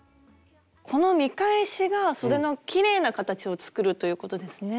この見返しがそでのきれいな形を作るということですね。